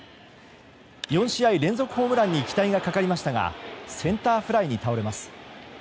４試合連続ホームランに期待がかかりましたがセンターフライに倒れます。